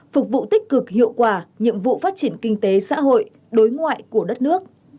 phục vụ tích cực hiệu quả nhiệm vụ phát triển kinh tế xã hội đối ngoại của đất nước